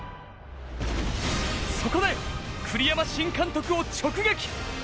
そこで栗山新監督を直撃。